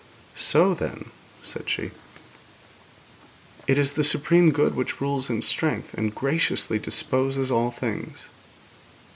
'So, then,' said she, 'it is the supreme good which rules in strength, and graciously disposes all things.'